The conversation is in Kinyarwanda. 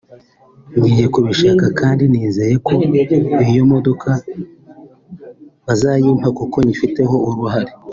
ngiye kubishaka kandi nizeye ko iyo modoka bazayimpa kuko nyifiteho uruhare